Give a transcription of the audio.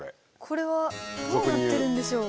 これはどうなってるんでしょう？